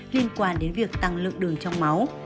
liên quan đến việc tăng lượng đường trong máu